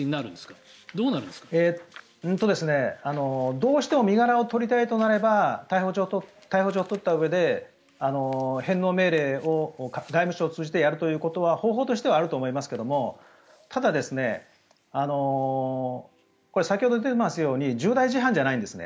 どうしても身柄を取りたいとなれば逮捕状を取ったうえで返納命令を外務省を通じてやることは方法としてはあると思いますけどただ、先ほど出ていますように重大事犯じゃないんですね。